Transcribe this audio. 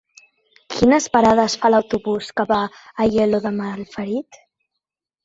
Quines parades fa l'autobús que va a Aielo de Malferit?